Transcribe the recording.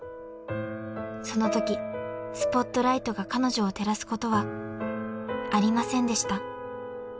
［そのときスポットライトが彼女を照らすことはありませんでした］